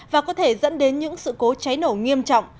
và có thể dẫn đến những sự cố cháy nổ nghiêm trọng